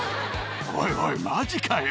おいおいマジかよ